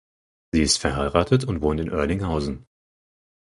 Sie ist verheiratet und wohnt in Oerlinghausen.